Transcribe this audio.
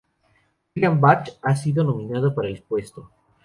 William Beach ha sido nominado para el puesto.